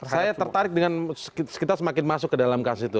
saya tertarik dengan kita semakin masuk ke dalam kasus itu